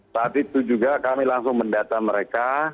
saat itu juga kami langsung mendata mereka